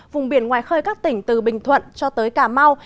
vùng biển ngoài khơi các tỉnh từ bình thuận cho tới cà mau